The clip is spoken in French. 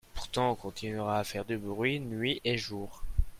Pourtant on continuera à faire du bruit nuit et jour.